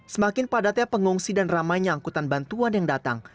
semakin padatnya pengungsi dan ramai nyangkutan bantuan yang datang